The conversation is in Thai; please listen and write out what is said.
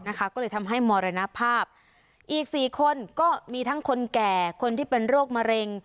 ก็เลยทำให้มรณภาพอีกสี่คนก็มีทั้งคนแก่คนที่เป็นโรคมะเร็ง